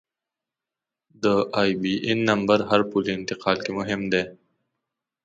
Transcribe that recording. د آیبياېن نمبر هر پولي انتقال کې مهم دی.